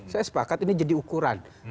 saya sepakat ini jadi ukuran